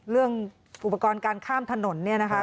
เรื่องอุปกรณ์การข้ามถนนเนี่ยนะคะ